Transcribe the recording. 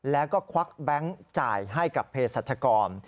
แล้วก็ควักแบงค์จ่ายให้กับเพศรัชกร